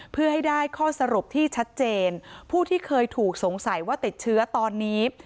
เพื่อให้ได้ข้อสรุปที่ชัดเจนผู้ที่เคยถูกสงสัยว่าติดเชื้อตอนนี้